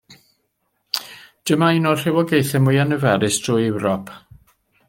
Dyma un o'r rhywogaethau mwyaf niferus drwy Ewrop.